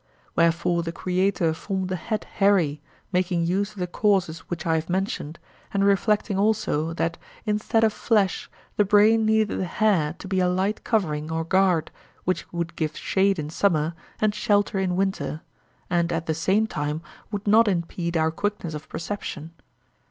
Wherefore the creator formed the head hairy, making use of the causes which I have mentioned, and reflecting also that instead of flesh the brain needed the hair to be a light covering or guard, which would give shade in summer and shelter in winter, and at the same time would not impede our quickness of perception.